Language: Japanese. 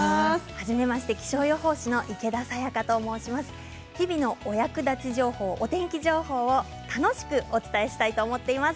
はじめまして、気象予報士の池田沙耶香と申します。